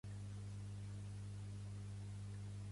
Els ulls a taula com calamarsa en descomposició, després de picar.